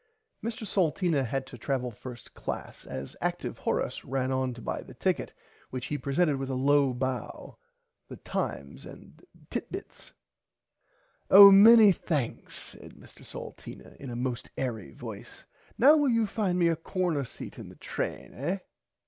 Mr Salteena had to travel first class as active Horace ran on to buy the ticket which he presented with a low bow the Times and Tit Bits. Oh many thanks my man said Mr Salteena in a most airy voice now will you find me a corner seat in the train eh.